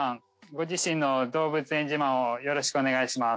ご自身の動物園自慢をよろしくお願いします。